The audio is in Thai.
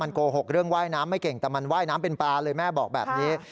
โกหกเรื่องว่ายน้ำไม่เก่งแต่มันว่ายน้ำเป็นปลาเลยแม่บอกแบบนี้